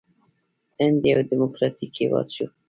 هند یو ډیموکراټیک هیواد شو.